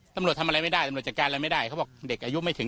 ตำรวจทำอะไรไม่ได้ตำรวจจัดการอะไรไม่ได้เขาบอกเด็กอายุไม่ถึง